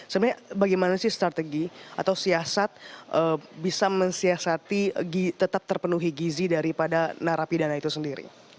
sebenarnya bagaimana sih strategi atau siasat bisa mensiasati tetap terpenuhi gizi daripada narapidana itu sendiri